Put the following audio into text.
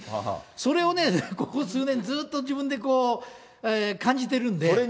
それをね、ここ数年、ずっと自分で感じてるんで。